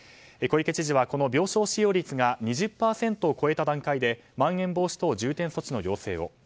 小池知事はこの病床使用率が２０％を超えた段階でまん延防止等重点措置の要請を。